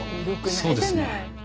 そうですね。